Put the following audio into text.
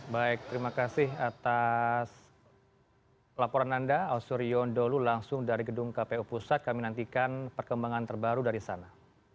baik terima kasih atas laporan anda ausur yondolu langsung dari gedung kpu pusat kami nantikan perkembangan terbaru dari sana